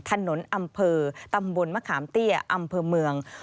ถนนอำเภอตำบลมะขามเตี้ยอำเภอเมือง